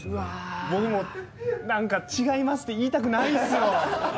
僕もなんか違いますって言いたくないっすよ。